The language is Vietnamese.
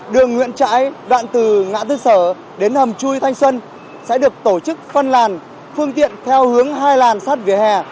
đường nguyễn trãi đoạn từ ngã tư sở đến hầm chui thanh xuân sẽ được tổ chức phân làn phương tiện theo hướng hai làn sát vỉa hè